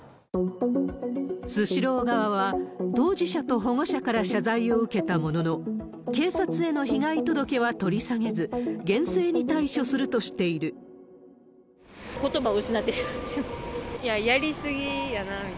スシロー側は、当事者と保護者から謝罪を受けたものの、警察への被害届は取り下げず、ことばを失ってしまった。